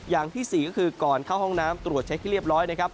อย่างที่๔ก็คือก่อนเข้าห้องน้ำตรวจเช็คให้เรียบร้อยนะครับ